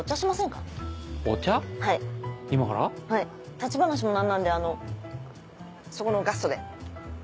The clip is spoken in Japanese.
立ち話も何なんであのそこのガストで。